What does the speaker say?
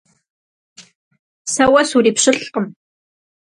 Сэ уэ сурипщылӀкъым!